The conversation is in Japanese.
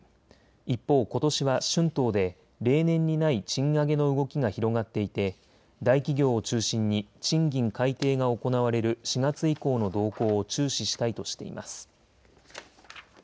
一方、ことしは春闘で例年にない賃上げの動きが広がっていて大企業を中心に賃金改定が行われる４月以降の動向を注視したいとしています。